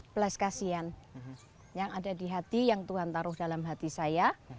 pelas kasihan yang ada di hati yang tuhan taruh dalam hati saya